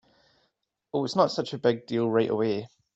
Oh, it’s not such a big deal right away.